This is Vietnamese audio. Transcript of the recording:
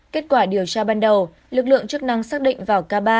kết quả điều tra ban đầu lực lượng chức năng xác định vào k ba